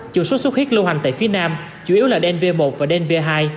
chủng sốt xuất huyết lưu hành tại phía nam chủ yếu là dnv một và dnv hai